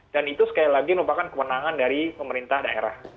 dan itu sekali lagi merupakan kemenangan dari pemerintah daerah